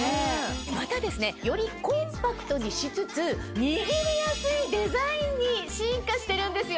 またよりコンパクトにしつつ握りやすいデザインに進化してるんですよ。